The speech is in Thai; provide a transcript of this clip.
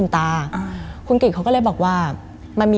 มันกลายเป็นรูปของคนที่กำลังขโมยคิ้วแล้วก็ร้องไห้อยู่